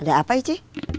ada apa ici